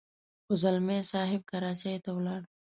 خو ځلمی صاحب کراچۍ ته ولاړ.